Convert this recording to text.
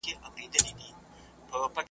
بيا به دا آسمان شاهد وي .